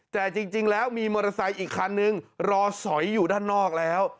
แต่จริงแล้วมีมอเตอร์ไซค์อีกคันนึงรอสอยอยู่ด้านนอกแล้ว